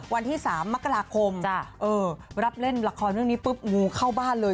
วันที่๓มกราคมรับเล่นละครเรื่องนี้ปุ๊บงูเข้าบ้านเลย